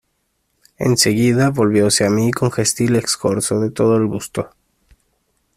en seguida volvióse a mí con gentil escorzo de todo el busto: